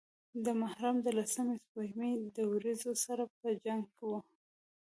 د محرم د لسمې سپوږمۍ د وريځو سره پۀ جنګ وه